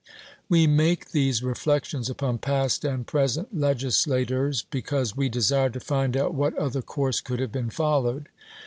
We make these reflections upon past and present legislators because we desire to find out what other course could have been followed.